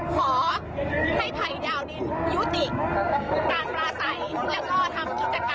ขอให้ภัยดาวดินยุติการปราศัยแล้วก็ทำกิจกรรม